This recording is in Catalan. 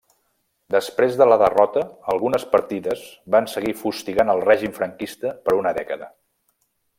Després de la derrota algunes partides van seguir fustigant al règim franquista per una dècada.